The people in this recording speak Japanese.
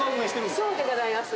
そうでございます。